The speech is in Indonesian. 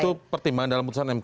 itu pertimbangan dalam putusan mk